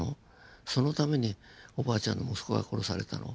そのためにおばあちゃんの息子が殺されたの？